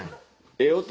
ええ音。